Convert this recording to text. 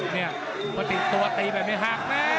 เนี่ยติดตัวตีไปไม่หักแม่